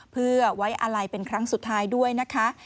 เพื่อไว้อาลัยเป็นครั้งสุดท้ายด้วยนะคะ